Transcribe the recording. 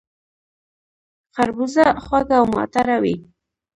خربوزه خوږه او معطره وي